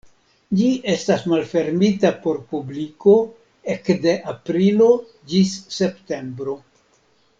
Ĝi estas malfermita por publiko ekde aprilo ĝis septembro.